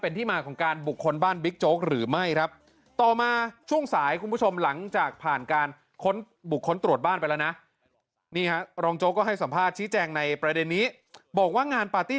ในประเด็นนี้บอกว่างานปาร์ตี้